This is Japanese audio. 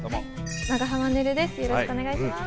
長濱ねるです